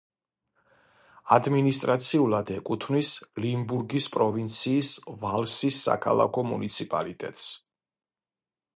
ადმინისტრაციულად ეკუთვნის ლიმბურგის პროვინციის ვალსის საქალაქო მუნიციპალიტეტს.